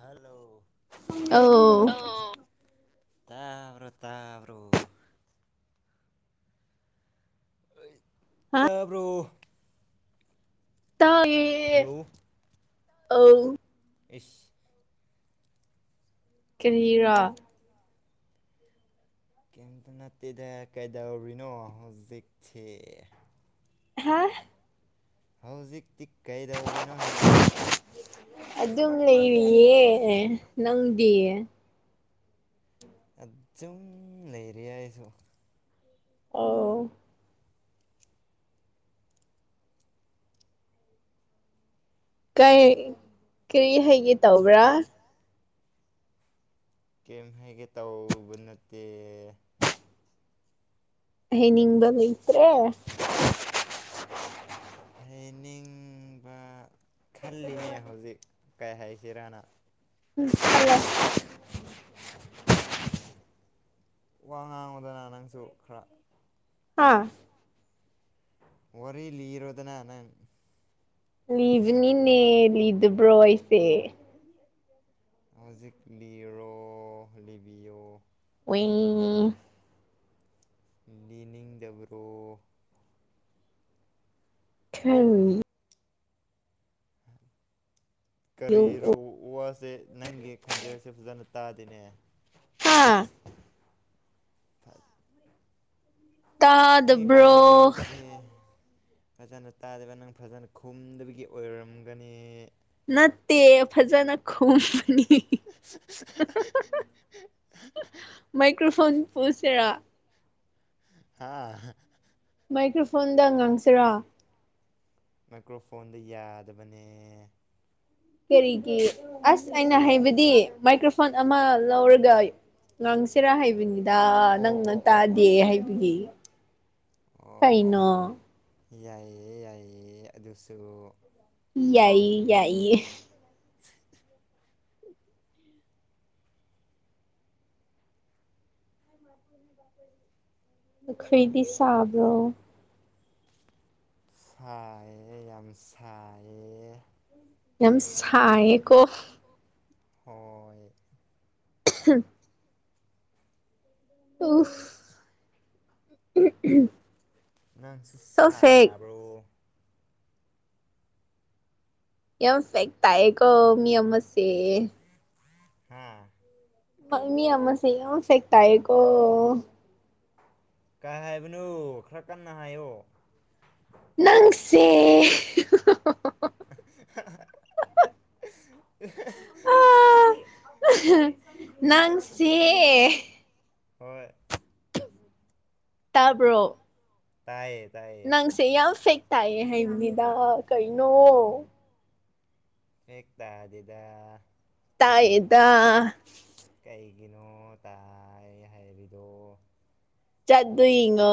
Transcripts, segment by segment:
hello ꯑꯧ ꯇ꯭ꯕꯔꯣ ꯇ꯭ꯕꯔꯣ ꯍꯥ ꯇꯕꯔꯣ ꯇꯥ ꯌꯦ ꯍꯂꯣ [unintelligible] ꯏꯁ ꯀꯔꯤꯔꯥ ꯀꯩꯝꯇ ꯅꯠꯇꯦꯗ ꯀꯩꯗꯧꯔꯤꯅꯣ ꯍꯧꯖꯤꯛꯁꯦ ꯍꯥ ꯍꯧꯖꯤꯛꯇꯤ ꯀꯩꯗꯧꯔꯤꯅꯣ ꯍꯥꯏꯕ ꯑꯗꯨꯝ ꯂꯩꯔꯤꯌꯦ ꯅꯪꯗꯤ ꯑꯗꯨꯝ ꯂꯩꯔꯤ ꯑꯩꯁꯨ ꯑꯣ ꯀꯩ ꯀꯔꯤ ꯍꯥꯏꯒꯦ ꯇꯧꯕ꯭ꯔꯥ ꯀꯩꯝ ꯍꯥꯏꯒꯦ ꯇꯧꯕ ꯅꯠꯇꯦ ꯍꯥꯏꯅꯤꯡꯕ ꯂꯩꯇ꯭ꯔꯦ ꯍꯦꯅꯤꯡꯕ ꯈꯜꯂꯤꯅꯦ ꯍꯧꯖꯤꯛ ꯀꯩ ꯍꯥꯏꯁꯤꯔꯥꯅ ꯎꯝ ꯈꯟꯂꯣ ꯋꯥ ꯉꯥꯡꯉꯣꯗꯅ ꯅꯪꯁꯨ ꯈꯔ ꯍꯥꯥ ꯋꯥꯔꯤ ꯂꯤꯔꯣꯗꯅ ꯅꯪ ꯂꯤꯕꯅꯤꯅꯦ ꯂꯤꯗꯕ꯭ꯔꯣ ꯑꯩꯁꯦ ꯍꯧꯖꯤꯛ ꯂꯤꯔꯣ ꯂꯤꯕꯤꯌꯣ [unintelligible] ꯂꯤꯅꯤꯡꯗꯕ꯭ꯔꯣ [unintelligible] ꯀꯔꯤꯔꯣ ꯋꯥꯁꯦ ꯅꯪꯒꯤ ꯈꯣꯟꯖꯦꯜꯁꯦ ꯐꯖꯅ ꯇꯗꯦꯅꯦ ꯍꯥꯥ ꯅꯪꯒꯤ ꯇꯥꯗꯕ꯭ꯔꯣ ꯈꯣꯟꯖꯦꯜꯁꯦ ꯐꯖꯅ ꯇꯥꯗꯕ ꯅꯪ ꯐꯖꯅ ꯈꯨꯝꯗꯕꯒꯤ ꯑꯣꯏꯔꯝꯒꯅꯤ ꯅꯠꯇꯦ ꯐꯖꯅ ꯈꯨꯝꯕꯅꯤ [unintelligible] ꯃꯥꯏꯀ꯭ꯔꯣꯐꯣꯟ ꯄꯨꯁꯤꯔꯥ ꯍꯥ ꯃꯥꯏꯀ꯭ꯔꯐꯣꯟꯗ ꯉꯥꯡꯁꯤꯔꯥ ꯃꯥꯏꯀ꯭ꯔꯣꯐꯣꯟꯗ ꯌꯥꯗꯕꯅꯦ ꯀꯦꯔꯤꯒꯤ ꯑꯁ ꯑꯩꯅ ꯔꯤ ꯍꯥꯏꯕꯗꯤ ꯃꯥꯏꯀ꯭ꯔ ꯐꯣꯟ ꯐꯣꯟ ꯑꯃ ꯂꯧꯔꯒ ꯉꯥꯡꯁꯤꯔꯥ ꯍꯥꯏꯕꯅꯤ ꯗꯥ ꯑꯣ ꯅꯪꯅ ꯑꯣ ꯑꯣ ꯑꯣ ꯇꯥꯗꯦ ꯍꯥꯏꯕꯒꯤ ꯑꯣ ꯑꯣ ꯀꯩꯅꯣ ꯌꯥꯏꯌꯦ ꯌꯥꯏꯌꯦ ꯑꯗꯨꯁꯨ ꯌꯥꯏꯌꯦ ꯌꯥꯏꯌꯦ ꯄꯨꯈ꯭ꯔꯤꯗꯤ ꯁꯥꯕ꯭ꯔꯣ ꯁꯥꯏꯌꯦ ꯌꯥꯝ ꯁꯥꯏꯌꯦ ꯌꯥꯝ ꯁꯥꯏꯌꯦꯀꯣ ꯍꯣꯏ ꯑꯍꯝ ꯎꯨꯐ ꯎꯝ ꯎꯝ ꯅꯪꯁꯨ ꯁꯥꯕ꯭ꯔꯣ ꯌꯥꯝ ꯐꯦꯛ ꯇꯥꯏꯌꯦꯀꯣ ꯃꯤ ꯑꯃꯁꯦ ꯎꯝ ꯍꯪ ꯃꯤ ꯑꯃꯁꯦ ꯌꯥꯝ ꯐꯦꯛ ꯇꯥꯏꯌꯦꯀꯣ ꯀꯥꯏ ꯍꯥꯏꯕꯅꯣ ꯈ꯭ꯔ ꯀꯟꯅ ꯍꯥꯏꯌꯣ ꯅꯪꯁꯦ [unintelligible] ꯑꯥ [unintelligible] ꯅꯪꯁꯦ ꯍꯣꯏ ꯇꯥꯕ꯭ꯔꯣ ꯇꯥꯏꯌꯦ ꯇꯥꯏꯌꯦ ꯅꯪꯁꯦ ꯌꯥꯝ ꯐꯦꯛ ꯇꯥꯏꯌꯦ ꯍꯥꯏꯕꯅꯤꯗ ꯀꯩꯅꯣ ꯐꯦꯛ ꯇꯥꯗꯦꯗ ꯇꯥꯏꯌꯦꯗ ꯀꯩꯒꯤꯅꯣ ꯇꯥꯏ ꯍꯥꯏꯔꯤꯗꯣ ꯆꯠꯗꯨꯏꯉꯣ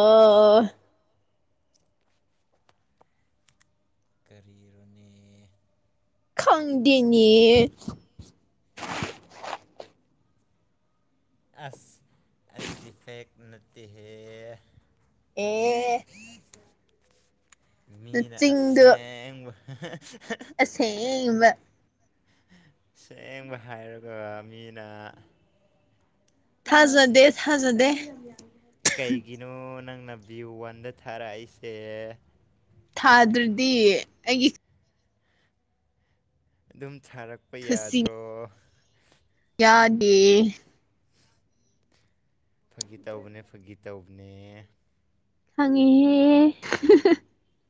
ꯀꯔꯤꯔꯨꯅꯦ ꯈꯪꯗꯦꯅꯦ ꯑꯁ ꯑꯗꯨꯗꯤ ꯐꯦꯛ ꯅꯠꯇꯦꯍꯦ ꯑꯦ ꯃꯤꯅ ꯅꯆꯤꯡꯗꯣ ꯑꯁꯦꯡꯕ [unintelligible] ꯑꯁꯦꯡꯕ ꯁꯦꯡꯕ ꯍꯥꯏꯔꯒ ꯃꯤꯅ ꯊꯥꯖꯗꯦ ꯊꯥꯖꯗꯦ ꯀꯩꯒꯤꯅꯣ ꯅꯪꯅ ꯚ꯭ꯌꯨ ꯋꯥꯟꯗ ꯊꯥꯔꯛꯏꯁꯦ ꯊꯥꯗ꯭ꯔꯗꯤ ꯑꯩꯒꯤ ꯑꯗꯨꯝ ꯊꯥꯔꯛꯄ ꯌꯥꯗ꯭ꯔꯣ ꯌꯥꯗꯤꯌꯦ ꯐꯥꯒꯤ ꯇꯧꯕꯅꯦ ꯐꯥꯒꯤ ꯇꯧꯕꯅꯦ ꯈꯪꯉꯦꯍꯦ [unintelligible]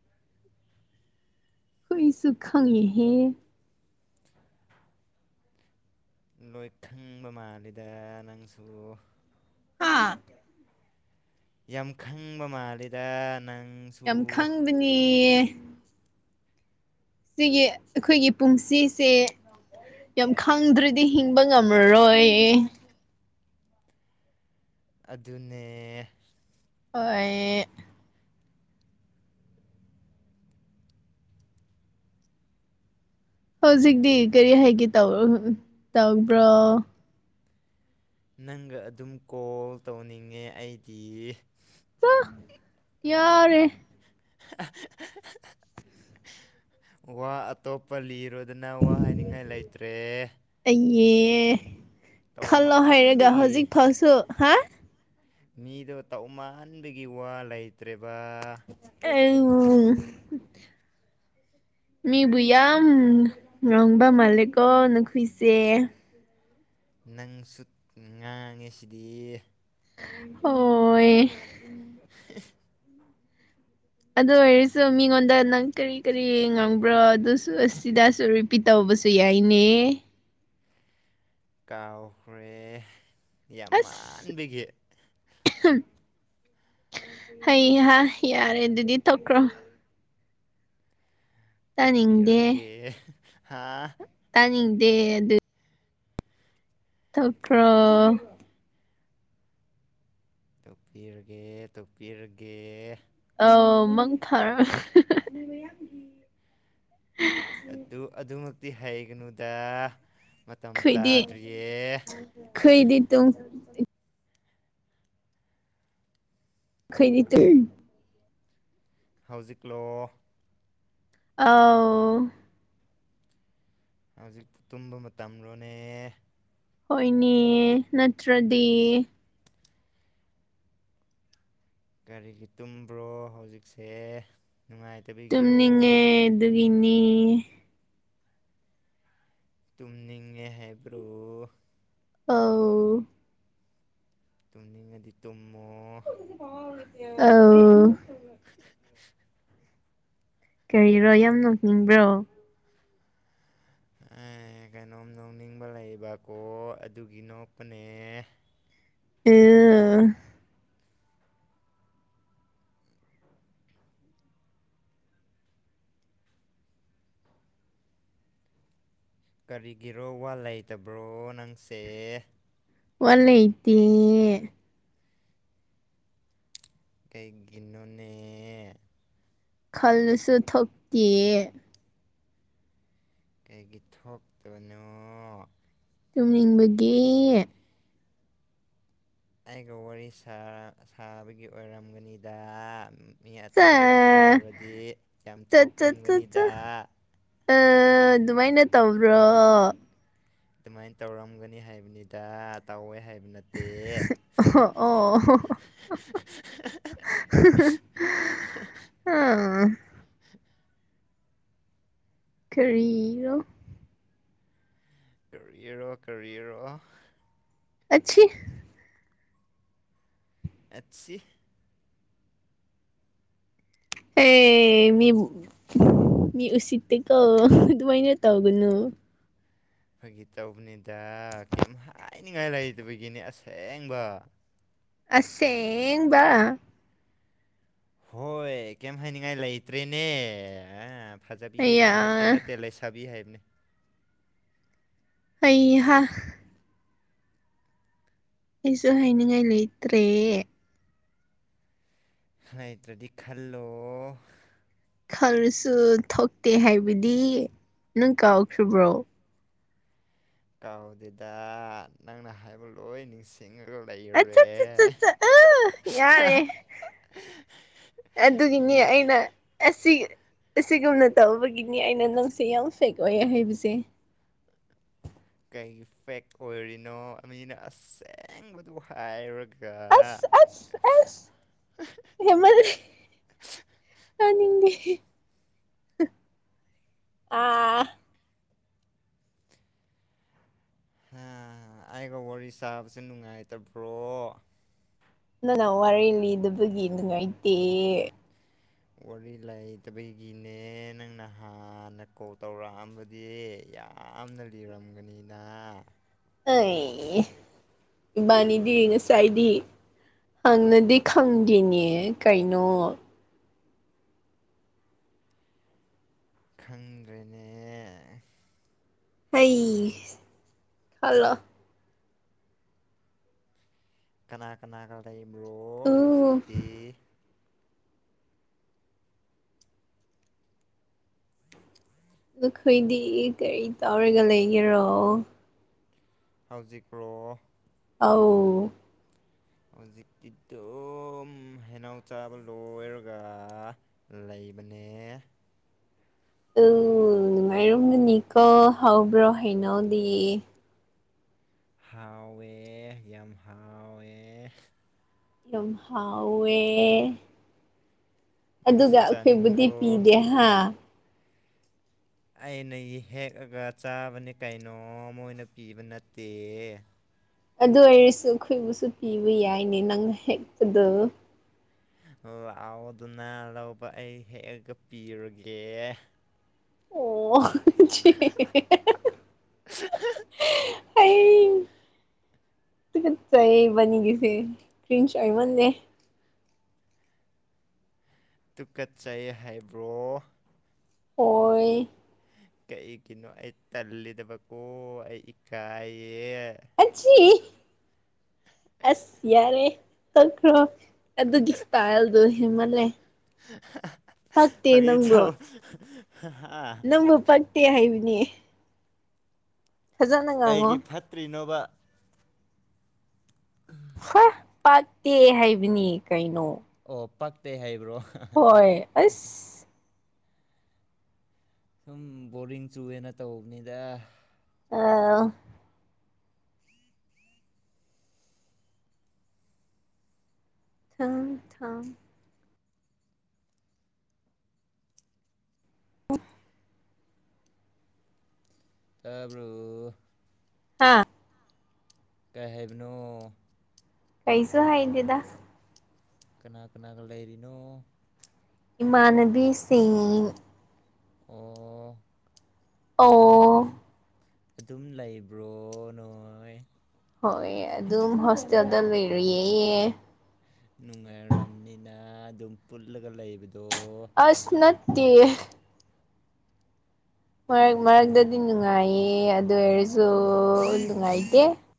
ꯈꯣꯏꯁꯨ ꯈꯪꯉꯤꯍꯦ ꯂꯣꯏꯊꯪꯕ ꯃꯥꯜꯂꯤꯗ ꯅꯪꯁꯨ ꯍꯥꯥ ꯌꯥꯝ ꯈꯪꯕ ꯃꯥꯜꯂꯤꯗ ꯅꯪ ꯌꯥꯝ ꯈꯪꯕꯅꯤꯌꯦ ꯁꯤꯒꯤ ꯑꯩꯈꯣꯏꯒꯤ ꯄꯨꯡꯁꯤꯁꯦ ꯌꯥꯝ ꯈꯪꯗ꯭ꯔꯥꯗꯤ ꯍꯤꯡꯕ ꯉꯝꯃꯔꯣꯏ ꯑꯗꯨꯅꯦ ꯍꯣꯏ ꯍꯧꯖꯤꯛꯇꯤ ꯀꯔꯤ ꯍꯥꯏꯒꯦ ꯇꯧ ꯎꯝ ꯇꯧꯕ꯭ꯔꯣ ꯅꯪꯒ ꯑꯗꯨꯝ ꯀꯣꯜ ꯇꯧꯅꯤꯡꯉꯦ ꯑꯩꯗꯤ ꯑ ꯌꯥꯔꯦ [unintelligible] ꯋꯥ ꯑꯇꯣꯞꯄ ꯂꯤꯔꯣꯗꯅ ꯋꯥ ꯍꯥꯏꯅꯤꯡꯉꯥꯏ ꯂꯩꯇ꯭ꯔꯦ ꯑꯦ ꯈꯜꯂꯣ ꯍꯥꯏꯔꯒ ꯇꯧꯃꯟꯕꯒꯤ ꯍꯧꯖꯤꯛ ꯐꯥꯎꯁꯨ ꯍꯥ ꯃꯤꯗꯣ ꯇꯧ ꯃꯥꯟꯕꯒꯤ ꯋꯥ ꯂꯩꯇ꯭ꯔꯦꯕ [unintelligible] ꯃꯤꯕꯨ ꯌꯥꯝ ꯉꯪꯕ ꯃꯥꯜꯂꯦꯀꯣ ꯅꯨꯄꯤꯁꯦ ꯅꯪꯁꯨ ꯉꯥꯡꯉꯦ ꯁꯤꯗꯤ ꯍꯣꯢ [unintelligible] ꯑꯗꯨ ꯑꯣꯏꯔꯁꯨ ꯃꯤꯉꯣꯟꯗ ꯅꯪ ꯀꯔꯤ ꯀꯔꯤ ꯉꯥꯡꯕ꯭ꯔꯣ ꯑꯗꯨꯁꯨ ꯑꯁꯤꯗꯁꯨ ꯔꯤꯄꯤꯠ ꯇꯧꯕ ꯕꯁꯨ ꯌꯥꯏꯅꯦ ꯀꯥꯎꯈ꯭ꯔꯦ ꯌꯥꯝ ꯑꯁ ꯃꯥꯟꯕꯒꯤ ꯍꯩ ꯍꯥ ꯌꯥꯔꯦ ꯑꯗꯨꯗꯤ ꯇꯣꯛꯈ꯭ꯔꯣ ꯇꯥꯅꯤꯡꯗꯦ ꯇꯣꯛꯄꯤꯔꯒꯦ ꯍꯥ [unintelligible] ꯇꯣꯛꯈ꯭ꯔꯣ ꯇꯣꯛꯄꯤꯔꯒꯦ ꯇꯣꯛꯄꯤꯔꯒꯦ ꯑꯥꯎ ꯃꯪ ꯐꯔꯣ [unintelligible] ꯑꯗꯨ ꯑꯗꯨꯃꯛꯇꯤ ꯍꯩꯒꯅꯨꯗ ꯃꯇꯝ ꯈꯣꯏꯗꯤ ꯇꯥꯗ꯭ꯔꯤꯌꯦ ꯈꯣꯏꯗꯤ ꯇꯨꯡ [unintelligible] ꯍꯧꯖꯤꯛꯂꯣ ꯑꯧ ꯍꯧꯖꯤꯛ ꯇꯨꯝꯕ ꯃꯇꯝꯔꯣꯅꯦ ꯍꯣꯏꯅꯦ ꯅꯠꯇ꯭ꯔꯗꯤ ꯀꯥꯔꯤꯒꯤ ꯇꯨꯝꯕ꯭ꯔꯣ ꯍꯧꯖꯤꯛꯁꯦ ꯅꯨꯡꯉꯥꯏꯇꯕꯤꯒꯤꯔꯣ ꯇꯨꯝꯅꯤꯡꯉꯦ ꯑꯗꯨꯒꯤꯅꯤ ꯇꯨꯝꯅꯤꯡꯉꯦ ꯍꯥꯏꯕ꯭ꯔꯣ ꯑꯧ ꯇꯨꯝꯅꯤꯡꯂꯗꯤ ꯇꯨꯝ ꯑꯧ ꯀꯔꯤꯔꯣ ꯌꯥꯝ ꯅꯣꯛꯅꯤꯡꯕ꯭ꯔꯣ [inaudible] ꯑꯦ ꯀꯩꯅꯣꯝ ꯅꯣꯛꯅꯤꯡꯕ ꯂꯩꯕꯀꯣ ꯑꯗꯨꯒꯤ ꯅꯣꯛꯄꯅꯦ [unintelligible] ꯀꯔꯤꯒꯤꯔꯣ ꯋꯥ ꯂꯩꯇꯕ꯭ꯔꯣ ꯅꯪꯁꯦ ꯋꯥ ꯂꯩꯇꯦ ꯀꯩꯒꯤꯅꯣꯅꯦ ꯈꯜꯂꯁꯨ ꯊꯣꯛꯇꯤꯌꯦ ꯀꯩꯒꯤ ꯊꯣꯛꯇꯕꯅꯣ ꯇꯨꯝꯅꯤꯡꯕꯒꯤ ꯑꯩꯒ ꯋꯥꯔꯤ ꯁꯥ ꯁꯥꯕꯒꯤ ꯑꯣꯏꯔꯝꯒꯅꯤꯗ ꯃꯤ ꯆꯥ ꯑꯇꯩꯗꯗꯤ ꯇꯧꯔꯗꯤ ꯌꯥꯝ ꯆꯠ ꯆꯠ ꯆꯠ ꯆꯥ ꯊꯣꯛꯂꯝꯒꯅꯤꯗ ꯑ ꯑꯗꯨꯃꯥꯏꯅ ꯇꯧꯕ꯭ꯔꯣ ꯑꯗꯨꯃꯥꯏꯅ ꯇꯧꯔꯝꯒꯅꯤ ꯍꯥꯏꯕꯅꯤꯗ ꯇꯧꯋꯦ ꯍꯥꯏꯕ ꯅꯠꯇꯦ ꯑꯣ [unintelligible] ꯀꯔꯤꯔꯣ ꯀꯔꯤꯔꯣ ꯀꯔꯤꯔꯣ [unintelligible] [unintelligible] ꯑꯦ ꯃꯤꯕꯨ ꯃꯤ ꯎꯠꯁꯤꯠꯇꯦꯀꯣ ꯑꯗꯨꯃꯥꯏꯅ ꯇꯧꯒꯅꯨ ꯐꯒꯤ ꯇꯧꯕꯅꯤꯗ ꯀꯩꯝ ꯍꯥꯏꯅꯤꯡꯉꯥꯏ ꯂꯩꯇꯕꯒꯤꯅꯤ ꯑꯁꯦꯡꯕ ꯑꯁꯦꯡꯕ ꯍꯣꯏ ꯀꯩꯝ ꯍꯥꯏꯅꯤꯡꯉꯥꯏ ꯂꯩꯇ꯭ꯔꯦꯅꯦ ꯐꯖꯕꯤ ꯑꯌꯥ ꯅꯠꯇꯦ ꯅꯠꯇꯦ ꯂꯩꯁꯥꯕꯤ ꯍꯥꯏꯕꯅꯤ ꯍꯩꯍꯥ ꯑꯩꯁꯨ ꯍꯥꯏꯅꯤꯡꯉꯥꯏ ꯂꯩꯇ꯭ꯔꯦ ꯂꯩꯩꯇ꯭ꯔꯗꯤ ꯈꯜꯂꯣ ꯈꯂꯁꯨ ꯊꯣꯛꯇꯦ ꯍꯥꯏꯕꯗꯤ ꯅꯪ ꯀꯥꯎꯈ꯭ꯔꯕ꯭ꯔꯣ ꯀꯥꯎꯗꯦꯗ ꯅꯪꯅ ꯍꯥꯏꯕ ꯂꯣꯏ ꯅꯤꯡꯁꯤꯡꯉ ꯌꯥꯔꯦ ꯑꯗꯨꯒꯤꯅꯦ ꯑꯩꯅ ꯑꯁꯤ ꯑꯁꯤꯒꯨꯝꯅ ꯇꯧꯕꯒꯤꯅꯤ ꯑꯩꯅ ꯅꯪꯁꯦ ꯌꯥꯝ ꯐꯦꯛ ꯑꯣꯏꯌꯦ ꯍꯥꯏꯕꯁꯦ ꯀꯩꯒꯤ ꯐꯦꯛ ꯑꯣꯏꯔꯤꯅꯣ ꯃꯤꯅ ꯑꯁꯦꯡꯕꯗꯨ ꯍꯥꯏꯔꯒ [unintelligible] ꯍꯦꯟꯃꯟꯂꯤ ꯇꯥꯅꯤꯡꯗꯦ ꯑꯥ ꯍꯥ ꯑꯩꯒ ꯋꯥꯔꯤ ꯁꯥꯕꯁꯦ ꯅꯨꯡꯉꯥꯏꯇꯕ꯭ꯔꯣ ꯅꯪꯅ ꯋꯥꯔꯤ ꯂꯤꯗꯕꯒꯤ ꯅꯨꯡꯉꯥꯏꯇꯦ ꯋꯥꯔꯤ ꯂꯩꯇꯕꯒꯤꯅꯦ ꯅꯪꯅ ꯍꯥꯟꯅ ꯀꯣꯜ ꯇꯧꯔꯛꯑꯝꯕꯗꯤ ꯌꯥꯝꯅ ꯂꯤꯔꯝꯒꯅꯤꯅ ꯑꯩ ꯏꯕꯥꯅꯤꯗꯤ ꯉꯁꯥꯏꯗꯤ ꯍꯟꯅꯗꯤ ꯈꯪꯗꯦꯅꯦ ꯀꯩꯅꯣ ꯈꯪꯗ꯭ꯔꯦꯅꯦ ꯍꯩ ꯈꯟꯂꯣ ꯀꯅꯥ ꯀꯅꯥꯒ ꯂꯩꯕ꯭ꯔꯣ ꯎ ꯍꯧꯖꯤꯛꯇꯤ ꯅꯈꯣꯏꯗꯤ ꯀꯔꯤ ꯇꯧꯔꯒ ꯂꯩꯒꯦꯔꯣ ꯍꯧꯖꯤꯛ꯭ꯔꯣ ꯑꯧ ꯍꯧꯖꯤꯛꯇꯤ ꯑꯗꯨꯝ ꯍꯦꯅꯧ ꯆꯥꯕ ꯂꯣꯏꯔꯒ ꯂꯩ [unintelligible] ꯎ ꯅꯨꯉꯥꯏꯔꯝꯒꯅꯤꯀꯣ ꯍꯥꯎꯕ꯭ꯔꯣ ꯍꯩꯅꯧꯗꯤ ꯍꯥꯎꯋꯦ ꯌꯥꯝ ꯍꯥꯎꯋꯦ ꯌꯥꯝ ꯍꯥꯎꯋꯦ ꯅꯪꯁꯨ ꯑꯗꯨꯒ ꯑꯩꯈꯣꯏꯕꯨꯗꯤ ꯆꯥꯅꯤꯡꯕ꯭ꯔꯣ ꯄꯤꯗꯦ ꯍꯥ ꯑꯩꯅ ꯍꯦꯛꯑꯥꯒ ꯆꯥꯕꯅꯤ ꯀꯩꯅꯣ ꯃꯣꯏꯅ ꯄꯤꯕ ꯅꯠꯇꯦ ꯑꯗꯨ ꯑꯣꯏꯔꯁꯨ ꯑꯩꯈꯣꯏꯕꯨꯁꯨ ꯄꯤꯕ ꯌꯥꯏꯅꯦ ꯅꯪꯅ ꯍꯦꯛꯄꯗꯣ ꯂꯥꯛꯑꯣꯗꯨꯅ ꯂꯧꯕ ꯑꯩ ꯍꯦꯛꯑꯒ ꯄꯤꯔꯒꯦ ꯑꯣ ꯑꯩ [unintelligible] ꯇꯨꯀꯠꯆꯩ ꯏꯕꯥꯟꯅꯤꯒꯤꯁꯦ ꯀꯔꯤꯁ ꯑꯣꯢꯃꯟꯂꯦ ꯇꯨꯀꯠꯆꯩ ꯍꯥꯏꯕ꯭ꯔꯣ ꯍꯣꯏ ꯀꯩꯒꯤꯅꯣ ꯑꯩ ꯇꯜꯂꯤꯗꯕꯀꯣ ꯑꯩ ꯏꯀꯥꯏꯌꯦ ꯑꯆꯤ ꯑꯁ ꯌꯥꯔꯦ ꯇꯣꯛꯈꯔꯣ ꯑꯗꯨꯒꯤ ꯇꯥꯏꯜꯗꯣ ꯍꯦꯟꯃꯜꯂꯦ ꯄꯛꯇꯦ ꯅꯪꯕꯨ [unintelligible] [unintelligible] ꯍꯥꯏꯕꯤꯅꯤ ꯀꯩꯒꯤ ꯐꯠꯇ꯭ꯔꯤꯅꯣꯕ ꯍ ꯄꯥꯠꯇꯦ ꯍꯥꯏꯕꯅꯤ ꯀꯩꯅꯣ ꯑꯣ ꯄꯛꯇꯦ ꯍꯥꯏꯕ꯭ꯔꯣ ꯍꯣꯏ ꯑꯁ ꯁꯨꯝ ꯕꯣꯔꯤꯡ ꯆꯨꯑꯦꯅ ꯇꯧꯕꯅꯤꯗ ꯑ [unintelligible] [unintelligible] ꯇꯥꯕ꯭ꯔꯣ ꯍꯥꯥ ꯀꯩ ꯍꯥꯏꯕꯅꯣ ꯀꯩꯁꯨ ꯍꯥꯏꯗꯦꯗ ꯀꯅꯥ ꯀꯅꯥꯒ ꯂꯩꯔꯤꯅꯣ ꯏꯃꯥꯟꯅꯕꯤꯁꯤꯡ ꯑꯣ ꯑꯗꯨꯝ ꯑꯣ ꯑꯗꯨꯝ ꯂꯩꯕ꯭ꯔꯣ ꯅꯣꯏ ꯍꯣꯏ ꯑꯗꯨꯝ ꯍꯣꯁꯇꯦꯜꯗ ꯂꯩꯔꯨꯌꯦꯌꯦ ꯅꯨꯡꯉꯥꯏꯔꯝ ꯅꯤꯅ ꯑꯗꯨꯝ ꯄꯨꯜꯂꯒ ꯂꯩꯕꯗꯣ [unintelligible] ꯃꯔꯛ ꯅꯨꯡꯉꯥꯏ ꯃꯔꯛꯇꯗꯤ ꯅꯨꯡꯉꯥꯏꯌꯦ ꯑꯗꯨ ꯑꯣꯏꯔꯁꯨ ꯅꯨꯡꯉꯥꯏꯇꯦ